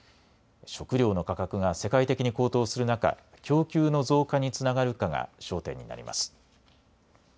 食料の価格が世界的に高騰する中、供給の増加につながるかが焦点になります。